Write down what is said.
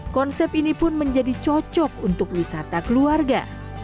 konsep ini pun menjadi cocok untuk wisata keluarga